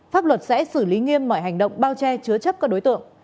pháp luật sẽ xử lý nghiêm mọi hành động bao che chứa chấp các đối tượng